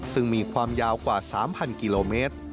ซึ่งมีความยาวกว่า๓๐๐กิโลเมตร